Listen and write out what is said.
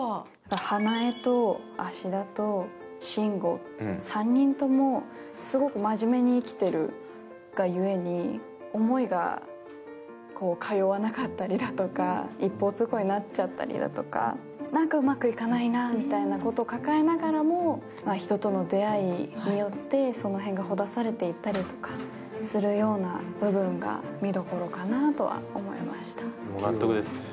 花枝と春樹と慎吾、３人ともすごくまじめに生きてるがゆえに思いが通わなかったりとか、一方通行になっちゃったりだとか、なんかうまくいかないなということを抱えながらも人との出会いによってその辺がほだされていったりとかするような部分が見どころかなとは思いました。